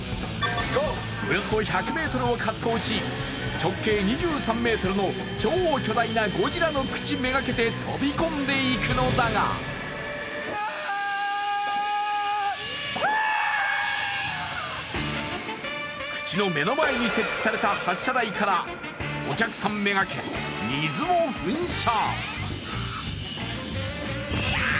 およそ１００ｍを滑走し直径２３ｍの超巨大なゴジラの口めがけて飛び込んでいくのだが口の目の前に設置された発射台からお客さんめがけ水を噴射。